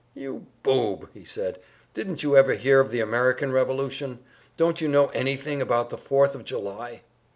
"You boob!" he said. "Didn't you ever hear of the American Revolution? Don't you know anything about the Fourth of July?"